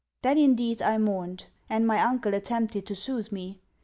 Then, indeed, I mourned; and my uncle attempted to soothe me.